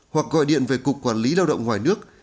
hoặc gọi điện về cục quản lý lao động ngoài nước